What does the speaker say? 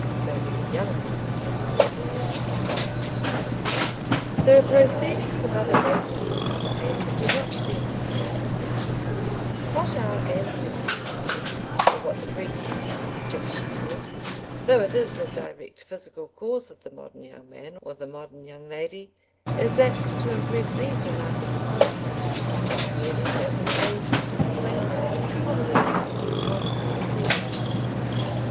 Though very young men will tell you readily enough. The proceedings of other races and other ages do not seem to carry conviction; what our ancestors did, or what the Greeks or Egyptians did, though it is the direct physical cause of the modern young man or the modern young lady, is apt to impress these remarkable consequences merely as an arrangement of quaint, comical or repulsive proceedings.